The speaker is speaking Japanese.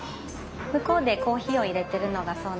向こうでコーヒーをいれてるのがそうなんです。